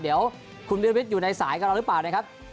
เดี๋ยวคุณวิรวิทย์อยู่ในสายกับเราหรือเปล่านะครับ